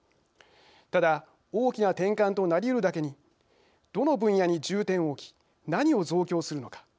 ただ大きな転換となりうるだけにどの分野に重点を置き何を増強するのか。